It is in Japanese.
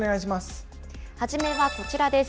はじめはこちらです。